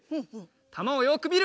たまをよくみる！